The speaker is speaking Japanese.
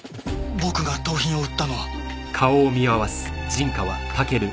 僕が盗品を売ったのは。